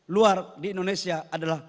luar di indonesia adalah